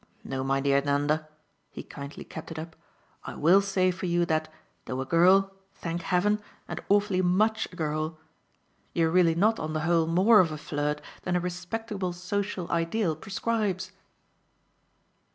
No, my dear Nanda" he kindly kept it up "I WILL say for you that, though a girl, thank heaven, and awfully MUCH a girl, you're really not on the whole more of a flirt than a respectable social ideal prescribes."